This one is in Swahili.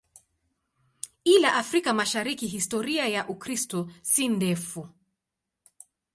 Ila Afrika Mashariki historia ya Ukristo si ndefu.